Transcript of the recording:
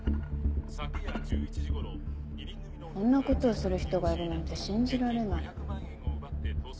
「昨夜１１時頃」こんな事をする人がいるなんて信じられない。